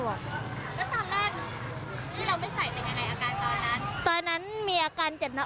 แล้วตอนแรกที่เราไม่ใส่เป็นยังไงอาการตอนนั้น